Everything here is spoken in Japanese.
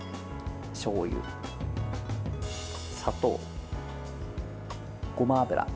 しょうゆ、砂糖、ごま油。